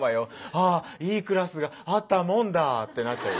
ああいいクラスがあったもんだ」ってなっちゃう。